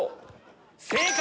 正解！